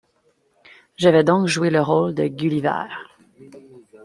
Je vais donc jouer le rôle de Gulliver!